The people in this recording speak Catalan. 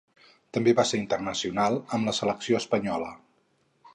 També va ser internacional amb la selecció espanyola.